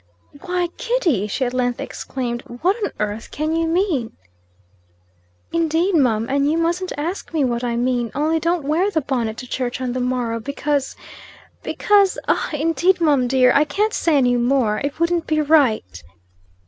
"Why, Kitty!" she at length exclaimed, "what on earth can you mean?" "Indade, mum, and yez mustn't ask me what I mane, only don't wear the bonnet to church on the morrow, because because och, indade, mum, dear! I can't say any more. It wouldn't be right."